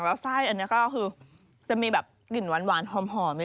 แล้วไส้อันนี้ก็คือจะมีแบบกลิ่นหวานหอม